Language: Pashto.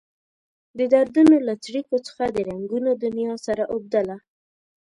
د دردونو له څړیکو څخه د رنګونو دنيا سره اوبدله.